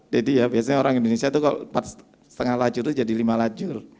jadi ya biasanya orang indonesia itu kalau empat lima lacur itu jadi lima lacur